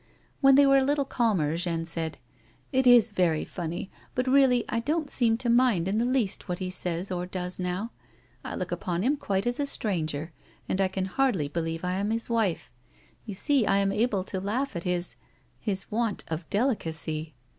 When they were a little calmer, Jeanne said :" It is very funny, but really I don't seem to mind in the least what he says or does now. I look upon him quite as a stranger, and I can hardly believe I am his wife. You see I am able to laugh at his — his want of delicacy."